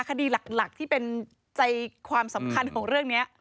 คดีหลักที่เป็นใจความสำคัญของเรื่องนี้